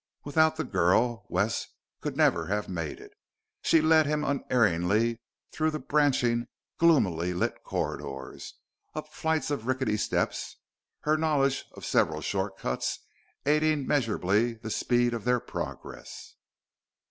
Without the girl, Wes could never have made it: she led him unerringly through the branching, gloomily lit corridors, up flights of rickety steps, her knowledge of several short cuts aiding measurably the speed of their progress.